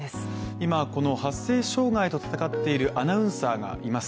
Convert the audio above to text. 今この発声障害と闘っているアナウンサーがいます。